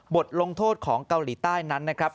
บทลงโทษของเกาหลีใต้นั้นนะครับ